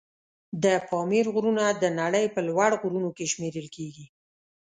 د پامیر غرونه د نړۍ په لوړ غرونو کې شمېرل کېږي.